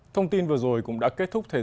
thông tin vừa rồi cũng đã kết thúc thời